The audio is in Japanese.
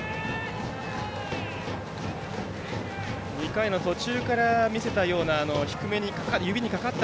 ２回の途中から見せたような低めに指にかかる